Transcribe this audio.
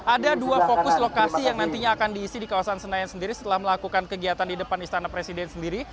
ada dua fokus lokasi yang nantinya akan diisi di kawasan senayan sendiri setelah melakukan kegiatan di depan istana presiden sendiri